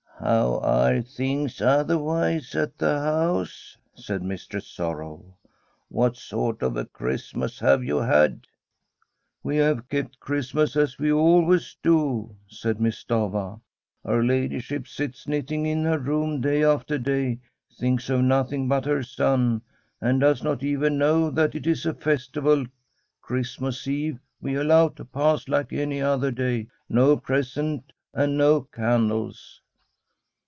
* How are things otherwise at the bouse ?* said Mistress Sorrow. ' What sort of a Christmas have you had?* ' We have kept Qiristmas as we always do/ said Miss Stafva. * Her ladyship sits knitting in her room day after day, thinks of nothing but her son, and does not even know that it is a festival. Christmas Eve we allowed to pass like any other day — ^nopresents and no candles.'